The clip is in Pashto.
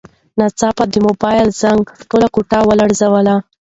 ناڅاپه د موبایل زنګ ټوله کوټه ولړزوله.